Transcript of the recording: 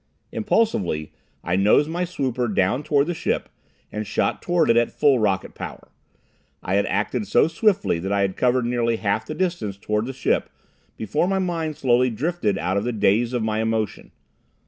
Impulsively I nosed my swooper down toward the ship and shot toward it at full rocket power. I had acted so swiftly that I had covered nearly half the distance toward the ship before my mind slowly drifted out of the daze of my emotion.